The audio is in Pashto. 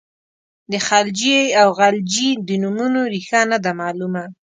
د خلجي او غلجي د نومونو ریښه نه ده معلومه.